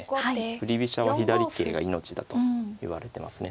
振り飛車は左桂が命だと言われてますね。